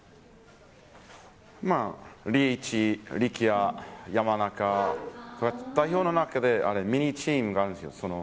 リーチ、力也、山中、代表の中でミニチームがあるんですよ。